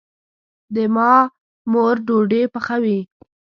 د ما مور ډوډي پخوي